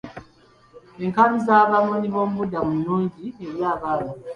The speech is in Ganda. Enkambi z'Abanoonyi boobubudamu nnungi eri abaana?